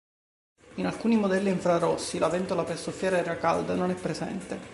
In alcuni modelli a infrarossi, la ventola per soffiare l'aria calda non è presente.